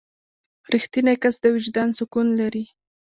• رښتینی کس د وجدان سکون لري.